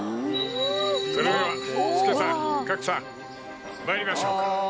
それでは助さん格さん参りましょうか。